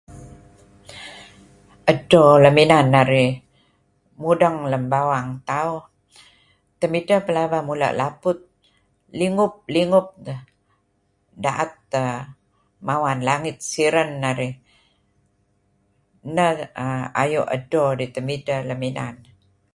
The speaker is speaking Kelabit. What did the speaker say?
Edto lem inan narih mudeng lem bawang tauh. Temidteh plaba kapal laput. Lingup-lingup teh da'et teh mawan langit siren narih. Neh aaa... ayu' edtot dih temidteh lem inan narih.